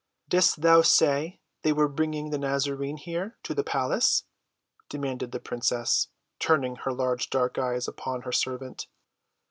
"Didst thou say they were bringing the Nazarene here—to the palace?" demanded the princess, turning her large dark eyes upon her servant.